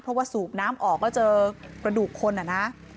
เพราะว่าสูบน้ำออกแล้วเจอกระดูกคนอ่ะนะ